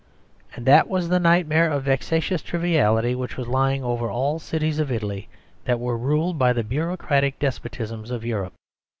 And that was the nightmare of vexatious triviality which was lying over all the cities of Italy that were ruled by the bureaucratic despotisms of Europe.